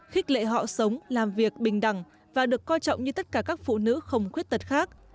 khích lệ họ sống làm việc bình đẳng và được coi trọng như tất cả các phụ nữ không khuyết tật khác